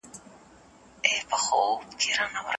تاسې د نړۍ د بدلون ځواک